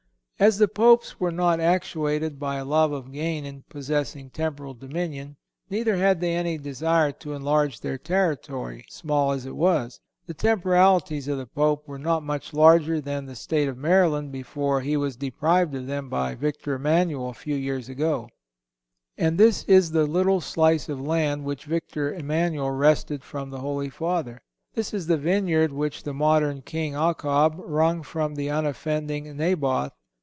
As the Popes were not actuated by a love of gain in possessing temporal dominion, neither had they any desire to enlarge their territory, small as it was. The temporalities of the Pope were not much larger than the State of Maryland before he was deprived of them by Victor Emmanuel a few years ago. And this is the little slice of land which Victor Emmanuel wrested from the Holy Father. This is the vineyard which the modern King Achab wrung from the unoffending Naboth.